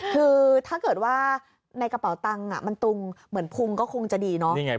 คือถ้าเกิดว่าในกระเป๋าตังค์มันตุงเหมือนพุงก็คงจะดีเนาะ